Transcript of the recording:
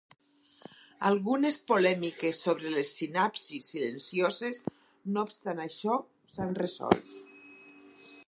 Algunes polèmiques sobre les sinapsis silencioses, no obstant això, s'han resolt.